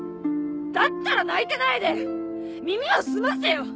だったら泣いてないで耳を澄ませよ！